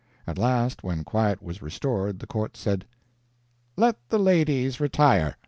At last, when quiet was restored, the court said: "Let the ladies retire."